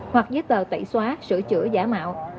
hoặc giấy tờ tẩy xóa sửa chữa giả mạo